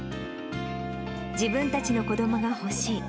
自分たちの子どもが欲しい。